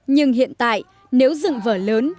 nhưng hiện tại nếu dựng vở lớn